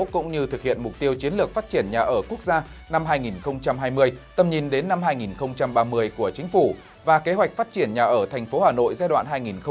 cũng như thực hiện mục tiêu chiến lược phát triển nhà ở quốc gia năm hai nghìn hai mươi tầm nhìn đến năm hai nghìn ba mươi của chính phủ và kế hoạch phát triển nhà ở thành phố hà nội giai đoạn hai nghìn một mươi sáu hai nghìn hai mươi năm